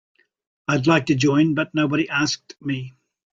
I'd like to join but nobody asked me.